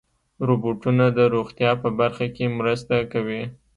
روبوټونه د روغتیا په برخه کې مرسته کوي.